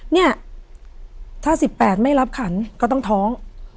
เนี่ยถ้า๑๘ไม่รับขันก็ต้องท้อง